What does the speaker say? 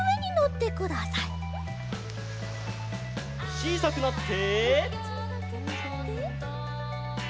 ちいさくなって。